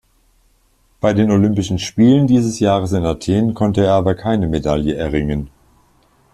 Bei den Olympischen Spielen dieses Jahres in Athen konnte er aber keine Medaille erringen.